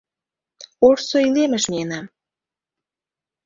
Ожсо илемыш миенам.